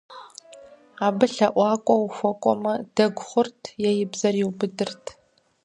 Абы лъэӀуакӀуэ ухуэкӀуэмэ, дэгу хъурт, е и бзэр иубыдырт.